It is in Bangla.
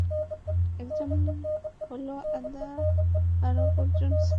একজন হলো আদা আর অপর জন সালা।